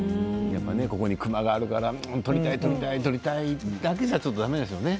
ここに、くまがあるから取りたい取りたいだけじゃだめでしょうね